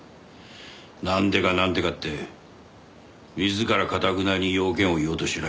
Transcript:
なんでかなんでかって自らかたくなに用件を言おうとしない。